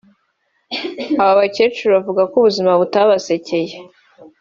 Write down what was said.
Aba bakecuru bavuga ko ubuzima butabasekeye